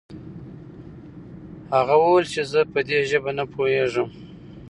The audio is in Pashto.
هغه وويل چې زه په دې ژبه نه پوهېږم.